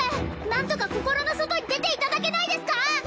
何とか心の外に出ていただけないですか？